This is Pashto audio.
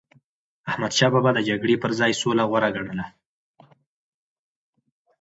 احمدشاه بابا به د جګړی پر ځای سوله غوره ګڼله.